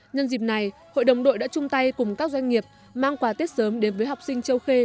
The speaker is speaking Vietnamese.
nhân dịp này hội đồng đội đã chung tay cùng các doanh nghiệp mang quà tết sớm đến với học sinh châu khê